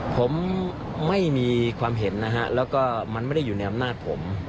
ผมไม่มีความเห็นนะฮะแล้วก็มันไม่ได้อยู่ในอำนาจผม